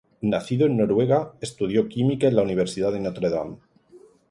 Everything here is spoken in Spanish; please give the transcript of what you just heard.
Nacido en Noruega, estudió Química en la Universidad de Notre Dame.